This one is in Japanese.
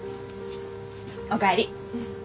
おかえり。